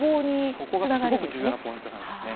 そこがすごく重要なポイントなんですね。